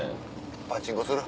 パチンコする？